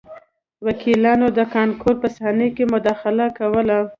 وکیلانو د کانکور په صحنه کې مداخله کوله